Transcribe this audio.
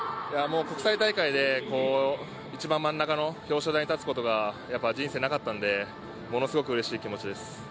国際大会で一番真ん中の表彰台に立つことが人生になかったのでものすごく、うれしい気持ちです。